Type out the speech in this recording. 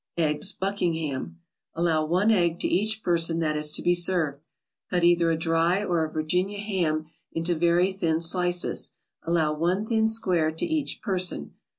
EGGS BUCKINGHAM Allow one egg to each person that is to be served. Cut either a dry or a Virginia ham into very thin slices; allow one thin square to each person.